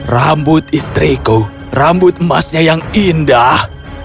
rambut istriku rambut emasnya yang indah